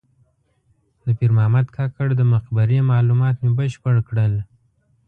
د پیر محمد کاکړ د مقبرې معلومات مې بشپړ کړل.